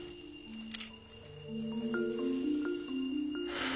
はあ。